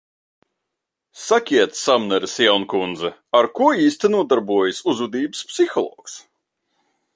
Sakiet, Samneres jaunkundze, ar ko īsti nodarbojas uzvedības psihologs?